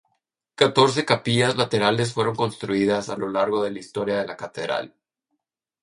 Catorce capillas laterales fueron construidas a lo largo de la historia de la catedral.